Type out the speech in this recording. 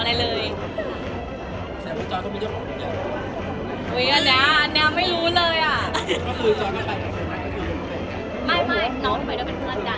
เอาซีสันนี้จะกลับมาเล่นด้วยกันมากกว่า